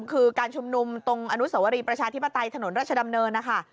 คือการชุมนุมตรงอนุสวรีประชาธิปไตยถนนราชดำเนินนะคะ